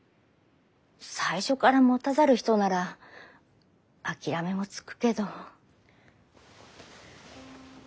最初から持たざる人なら諦めもつくけど。